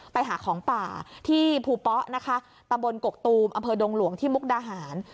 ไปหาของป่าที่ภูป๊อนะคะตำบลกกตูมอำเภอดงหลวงที่มุกดาหาร